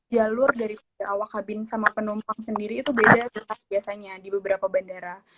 jalur daripada awak kabin sama penumpang sendiri itu beda biasanya di beberapa bandara